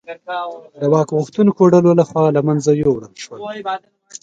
د واک غوښتونکو ډلو لخوا له منځه یووړل شول.